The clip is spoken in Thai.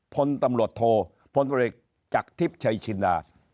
พลตำรวจโทพลตรวจเอกจากทิพย์ชัยชินดา